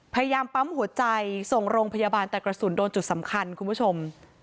พยายามปั๊มหัวใจส่งโรงพยาบาลแต่กระสุนโดนจุดสำคัญคุณผู้ชม